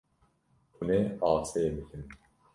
Hûn ê asê bikin.